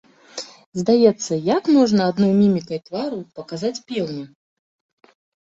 Здаецца, як можна адной мімікай твару паказваць пеўня?